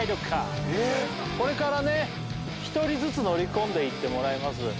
これからね１人ずつ乗り込んでいってもらいます